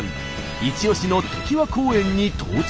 イチオシのときわ公園に到着。